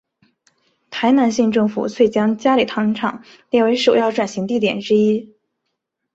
台南县政府遂将佳里糖厂列为首要转型地点之一。